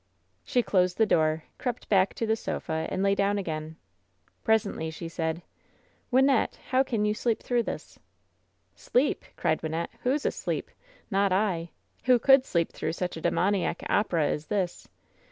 She closed the door, crept back to the sofa and lay down again. Presently she said: "Wynnette! how can you sleep through this?^' "Sleep!'' cried Wynnette. "Who's asleep? Not I! Who could sleep through such a demoniac opera as this?